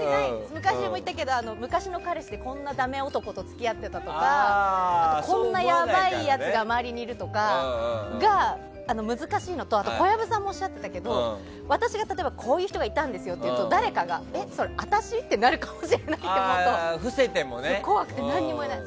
昔もいたけど昔の彼氏でこんなだめ男と付き合っていたやこんな、やばいやつが周りにいるとかが難しいのと小籔さんもおっしゃっていたけど私がこういう人がいたんだけどって言うと誰かが、えそれ私？ってなるかもしれないと思うと怖くて何も言えない。